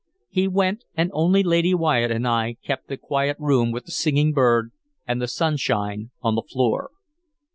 He went, and only Lady Wyatt and I kept the quiet room with the singing bird and the sunshine on the floor.